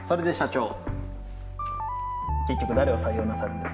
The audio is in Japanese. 結局誰を採用なさるんですか？